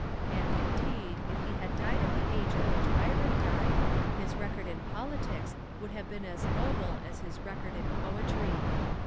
And, indeed, if he had died at the age at which Byron died, his record in politics would have been as noble as his record in poetry.